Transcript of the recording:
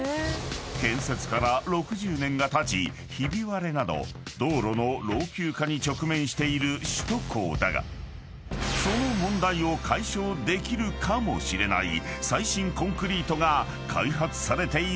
［建設から６０年がたちひび割れなど道路の老朽化に直面している首都高だがその問題を解消できるかもしれない最新コンクリートが開発されているという］